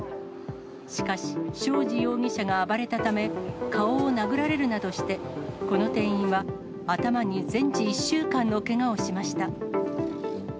しかし、庄司容疑者が暴れたため、顔を殴られるなどして、この店員は頭に全治１週間のけがをしました。